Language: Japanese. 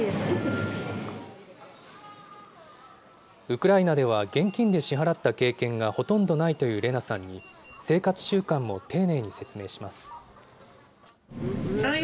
ウクライナでは現金で支払った経験がほとんどないというレナさんに、生活習慣も丁寧に説明します。